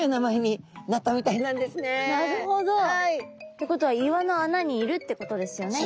ってことは岩の穴にいるってことですよね。